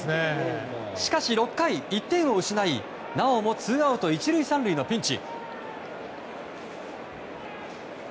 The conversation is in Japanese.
しかし６回、１点を失いなおもツーアウト１塁３塁のピンチ。